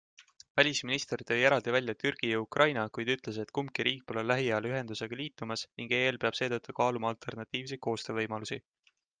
Välisminister tõi eraldi välja Türgi ja Ukraina, kuid ütles, et kumbki riik pole lähiajal ühendusega liitumas ning EL peab seetõttu kaaluma alternatiivseid koostöövõimalusi.